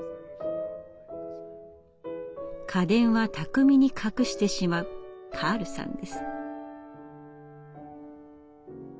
家電は巧みに隠してしまうカールさんです。